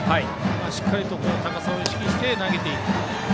しっかりと高さを意識して投げていく。